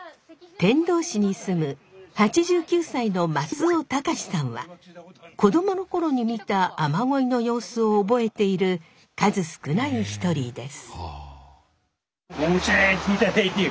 天童市に住む８９歳の松尾隆史さんは子供の頃に見た雨乞いの様子を覚えている数少ない一人です。